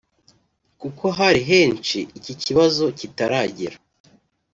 kuko hari henshi iki kibazo kitaragera